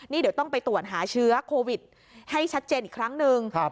นี่เดี๋ยวต้องไปตรวจหาเชื้อโควิดให้ชัดเจนอีกครั้งหนึ่ง